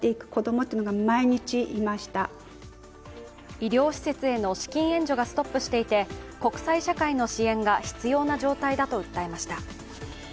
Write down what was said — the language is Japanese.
医療施設への資金援助がストップしていて国際社会の支援が必要な状態だと訴えました。